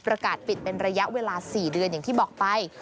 ประกาศปิดเป็นระยะเวลา๔เดือนอย่างที่บอกไป